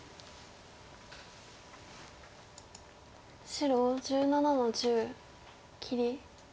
白１７の十切り。